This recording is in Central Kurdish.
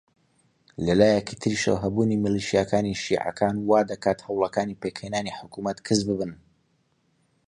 لە لایەکی تریشەوە هەبوونی میلیشیاکانی شیعەکان وا دەکات هەوڵەکانی پێکهێنانی حکوومەت کز ببن